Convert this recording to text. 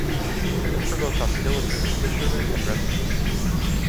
This provoked hostility from fishermen and residents.